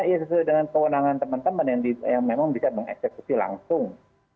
ya sesuai dengan kewenangan teman teman yang memang bisa mengeksekusi langsung